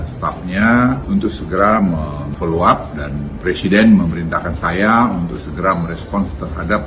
staffnya untuk segera follow up dan presiden memerintahkan saya untuk segera merespons terhadap